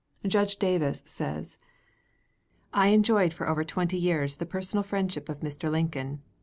Judge Davis says: I enjoyed for over twenty years the personal friendship of Mr. Lincoln.